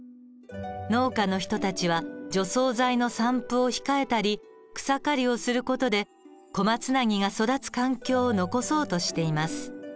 農家の人たちは除草剤の散布を控えたり草刈りをする事でコマツナギが育つ環境を残そうとしています。